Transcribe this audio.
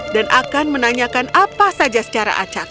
dan akan menanyakan apa saja secara acak